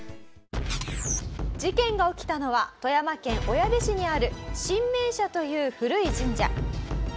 事件が起きたのは富山県小矢部市にある神明社という古い神社。